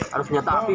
harus senjata api